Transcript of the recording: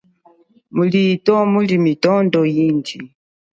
Mulito muli mitondo inji.